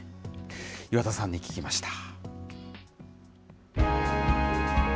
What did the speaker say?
岩田さんに聞きました。